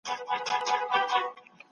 کيميا له فلسفې څخه خپلواکي واخيسته.